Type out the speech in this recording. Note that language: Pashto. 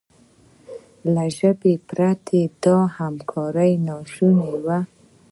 له ژبې پرته دا همکاري ناشونې وه.